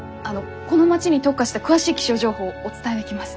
この町に特化した詳しい気象情報お伝えできます。